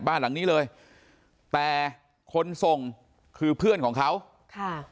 บ้านหลังนี้เลยแต่คนส่งคือเพื่อนของเขาค่ะ